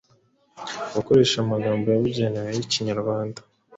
Gukoresha amagambo yabugenewe y’Ikinyarwanda